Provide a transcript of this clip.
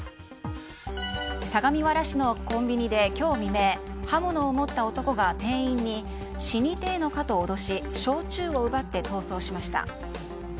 相模原市のコンビニで今日未明刃物を持った男が店員に死にてえのかと脅し焼酎を奪って逃走しました。